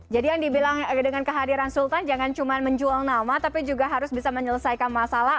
jadi yang dibilang dengan kehadiran sultan jangan cuma menjuang nama tapi juga harus bisa menyelesaikan masalah